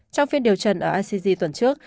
trong phiên điều trần ở icc tuần trước